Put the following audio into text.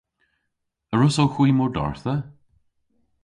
A wrussowgh hwi mordardha?